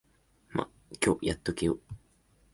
ま、今日やっとけよ。